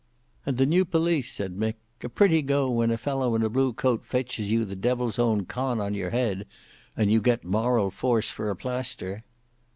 "And the new police," said Mick. "A pretty go when a fellow in a blue coat fetches you the Devil's own con on your head and you get moral force for a plaister."